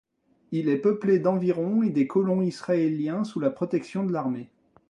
Il est peuplé d'environ et des colons israéliens sous la protection de l'armée.